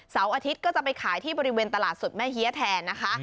อาทิตย์ก็จะไปขายที่บริเวณตลาดสดแม่เฮียแทนนะคะ